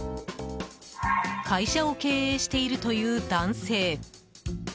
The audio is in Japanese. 会社を経営しているという男性。